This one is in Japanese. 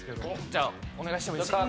じゃあお願いしてもいいですか？